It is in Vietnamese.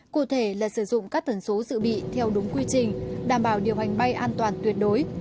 cụ thể là sử dụng các tần số dự bị theo đúng quy trình đảm bảo điều hành bay an toàn tuyệt đối